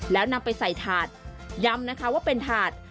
แล้วนำไปใส่ถาดย้ำนะคะว่าเป็นถาด